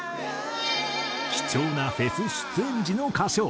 貴重なフェス出演時の歌唱。